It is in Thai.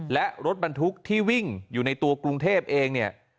และรถบรรทุกที่วิ่งอยู่ในตัวกรุงเทพเองเนี่ย